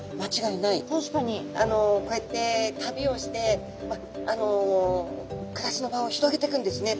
こうやって旅をして暮らしの場を広げてくんですね。